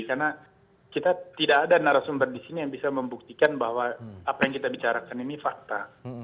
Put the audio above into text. karena kita tidak ada narasumber di sini yang bisa membuktikan bahwa apa yang kita bicarakan ini fakta